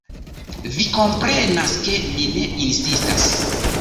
Vi komprenas, ke mi ne insistas.